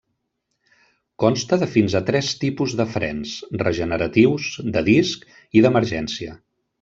Consta de fins a tres tipus de frens: regeneratius, de disc i d'emergència.